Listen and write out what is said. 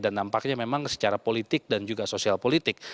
dan nampaknya memang secara politik dan juga sosial politik